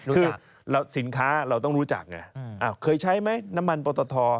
คือสินค้าเราต้องรู้จักไงเคยใช้ไหมน้ำมันปอตท